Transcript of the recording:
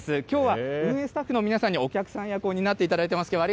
きょうは運営スタッフの皆さんに、お客さん役を担っていただいています。